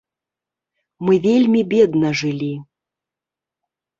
Мы вельмі бедна жылі.